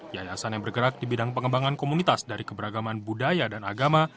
yayasan yang bergerak di bidang pengembangan komunitas dari keberagaman budaya dan agama